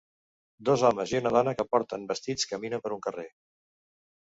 Dos homes i una dona que porten vestits caminen per un carrer.